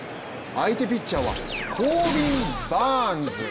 相手ピッチャーはコービン・バーンズ。